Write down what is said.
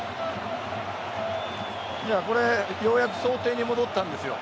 これ、ようやく想定に戻ったんですよ。